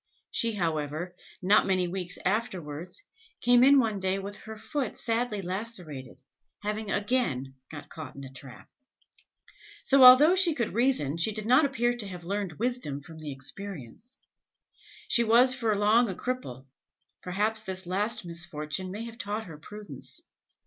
She, however, not many weeks afterwards, came in one day with her foot sadly lacerated, having again got caught in a trap. So although she could reason, she did not appear to have learned wisdom from experience. She was for long a cripple; perhaps this last misfortune may have taught her prudence.